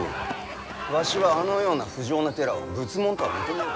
わしはあのような不浄な寺を仏門とは認めぬ。